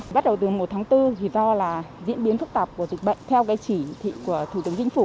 bắt đầu từ một tháng bốn thì do là diễn biến phức tạp của dịch bệnh theo cái chỉ thị của thủ tướng chính phủ